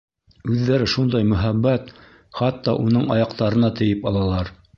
Үҙҙәре шундай мөһабәт, хатта уның аяҡтарына тейеп алалар.